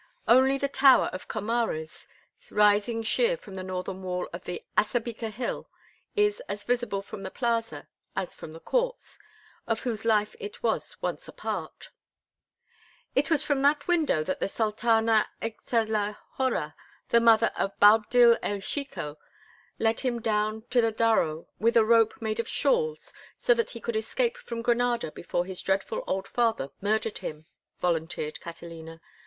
Only the Tower of Comares, rising sheer from the northern wall of the Assabica Hill, is as visible from the plaza, as from the courts, of whose life it was once a part. "It was from that window that the Sultana Ayxa la Horra, the mother of Boabdil el Chico, let him down to the Darro with a rope made of shawls so that he could escape from Granada before his dreadful old father murdered him," volunteered Catalina.